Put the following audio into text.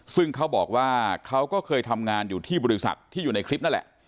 ซึ่งเขาบอกว่าเขาก็เคยทำงานอยู่ที่บริษัทที่อยู่ในคลิปนั่นแหละ